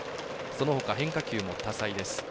そのほか変化球も多彩です。